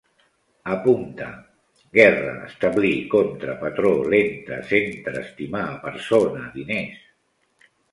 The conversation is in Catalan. Apunta: guerra, establir, contra, patró, lenta, centre, estimar, persona, diners